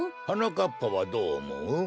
はなかっぱはどうおもう？